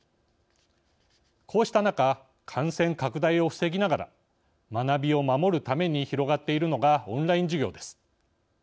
こうした中感染拡大を防ぎながら学びを守るために広がっているのがオンライン授業です。